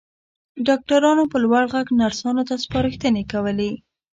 ډاکټرانو په لوړ غږ نرسانو ته سپارښتنې کولې.